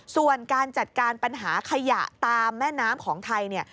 ส่วนการจัดการปัญหาขยะตามแม่น้ำของไทยเนี่ย